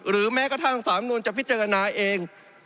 หรือแม้กระทั่งสารรัฐธรมนุนจะพิจารณาเอง